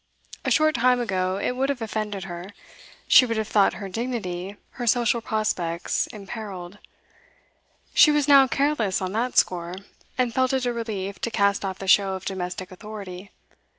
A short time ago it would have offended her; she would have thought her dignity, her social prospects, imperilled. She was now careless on that score, and felt it a relief to cast off the show of domestic authority.